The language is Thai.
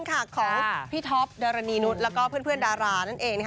ของพี่ท็อปดารณีนุษย์แล้วก็เพื่อนดารานั่นเอง